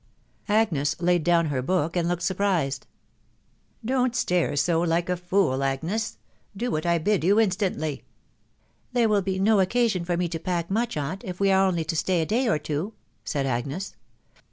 Agnes laid down her book, and looked surprised. " Don't stare so like a fool, Agnes .... Do what I bid you instantly." " There will be no occasion for me to pack much, aunt, if we are only to stay a day or two," said Agnes.